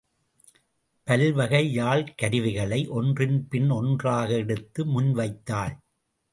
பல் வகை யாழ்க் கருவிகளை ஒன்றன்பின் ஒன்று எடுத்து முன் வைத்தாள்.